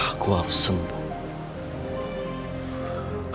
aku harus sembuh